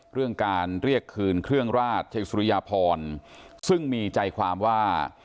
เรื่องการเรียกคืนเครื่องราชเชิงสุริยพรซึ่งมีใจความว่า